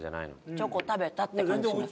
チョコ食べたって感じします。